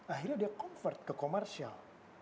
akhirnya dia convert ke komersial